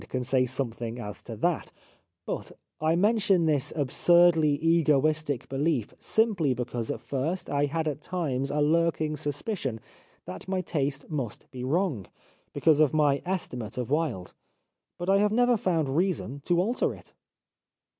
. can say something as to that — but I mention this ab surdly egoistic belief simply because at first I had at times a lurking suspicion that my taste must be wrong, because of my estimate of Wilde. But I have never found reason to alter it."